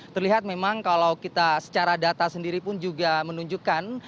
terlihat memang kalau kita secara data sendiri pun juga menunjukkan